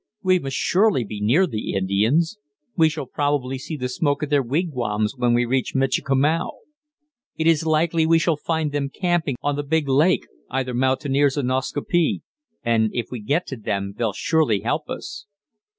We must surely be near the Indians; we shall probably see the smoke of their wigwams when we reach Michikamau. It is likely we shall find them camping on the big lake either Mountaineers or Nascaupee and if we get to them they'll surely help us."